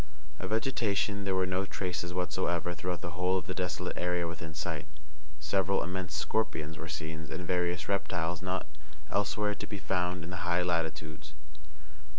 Of vegetation there were no traces whatsoever throughout the whole of the desolate area within sight. Several immense scorpions were seen, and various reptiles not elsewhere to be found in the high latitudes.